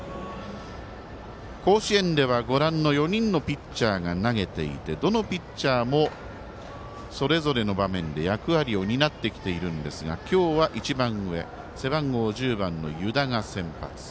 甲子園ではご覧の４人のピッチャーが投げていてどのピッチャーもそれぞれの場面で役割を担ってきているんですが今日は背番号１０番の湯田が先発。